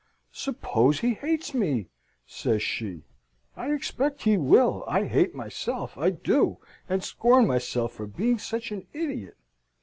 "Suppose he hates me?" says she. "I expect he will. I hate myself, I do, and scorn myself for being such an idiot.